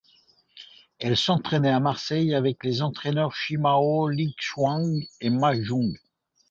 Elle s'entraînait à Marseille avec les entraîneurs Shi Mao, Lin Xuan et Ma Jun.